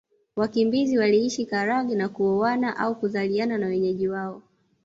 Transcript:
Wakimbizi waliishi Karagwe na kuoana au kuzaliana na wenyeji wao